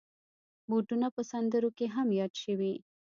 بوټونه په سندرو کې هم یاد شوي.